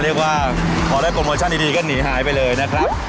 เรียกว่าพอได้โปรโมชั่นดีก็หนีหายไปเลยนะครับ